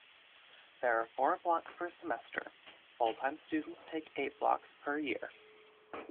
There are four blocks per semester; full-time students take eight blocks per year.